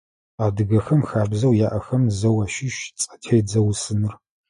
Адыгэхэм хабзэу яӀэхэм зэу ащыщ цӀэтедзэ усыныр.